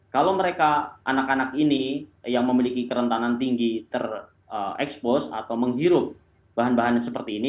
kalau mereka anak anak ini yang memiliki kerentanan tinggi terekspos atau menghirup bahan bahan seperti ini